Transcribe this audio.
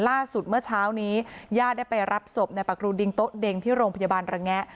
เมื่อเช้านี้ญาติได้ไปรับศพในปักรูดิงโต๊ะเด็งที่โรงพยาบาลระแงะ